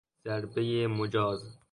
ضربهی مجاز